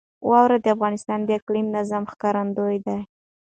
واوره د افغانستان د اقلیمي نظام ښکارندوی ده.